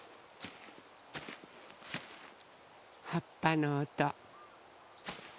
はっぱのおと。